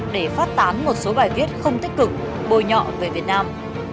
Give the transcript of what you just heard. bán một số bài viết không tích cực bồi nhọ về việt nam